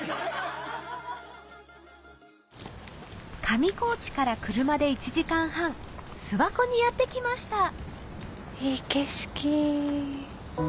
上高地から車で１時間半諏訪湖にやって来ましたいい景色。